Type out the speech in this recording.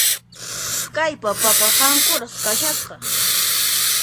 Kay papaqa hankuras kashasqa.